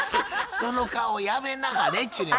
その顔やめなはれっちゅうねん。